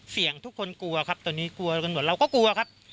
ทุกคนกลัวครับตอนนี้กลัวกันหมดเราก็กลัวครับ